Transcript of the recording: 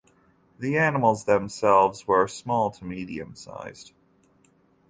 The animals themselves were small to medium-sized.